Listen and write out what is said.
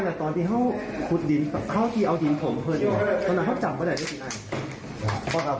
คือต้องเอาดินถมเพื่อสะทิดอย่างนั้นครับ